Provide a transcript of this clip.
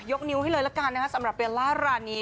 นิ้วให้เลยละกันนะคะสำหรับเบลล่ารานี